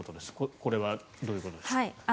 これはどういうことでしょう。